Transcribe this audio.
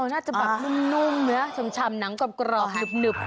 น่าจะแบบนุ่มนะชำชำหนังกรอบกรอบหนึบ